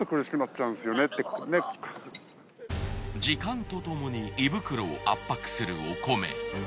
時間とともに胃袋を圧迫するお米。